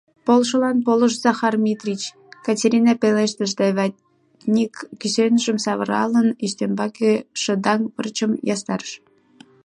— Полышлан полыш, Захар Митрич, — Катерина пелештыш да, ватник кӱсенжым савыралын, ӱстембаке шыдаҥ пырчым ястарыш.